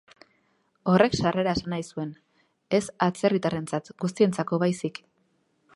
Horrek sarrera esan nahi zuen; ez atzerritarrentzat guztientzako baizik.